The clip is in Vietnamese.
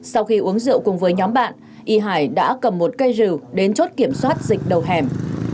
sau khi uống rượu cùng với nhóm bạn y hải đã cầm một cây rừng đến chốt kiểm soát dịch đầu hẻm